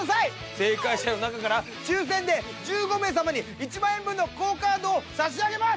正解者の中から抽選で１５名様に１万円分のＱＵＯカードを差し上げます！